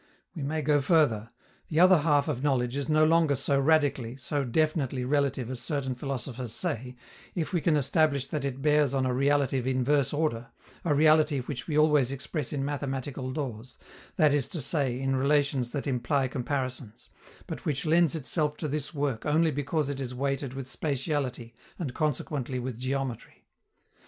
We may go further: the other half of knowledge is no longer so radically, so definitely relative as certain philosophers say, if we can establish that it bears on a reality of inverse order, a reality which we always express in mathematical laws, that is to say in relations that imply comparisons, but which lends itself to this work only because it is weighted with spatiality and consequently with geometry.